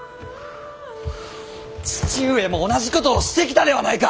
父上も同じことをしてきたではないか！